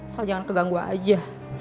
soal jangan keganggu aja